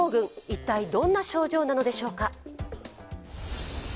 一体、どんな症状なのでしょうか。